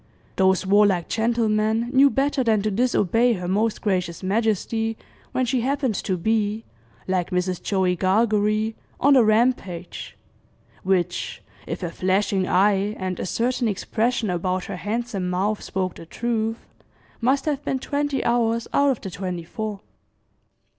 Those warlike gentlemen knew better than to disobey her most gracious majesty when she happened to be, like Mrs. Joe Gargary, on the "rampage," which, if her flashing eye and a certain expression about her handsome mouth spoke the truth, must have been twenty hours out of the twenty four.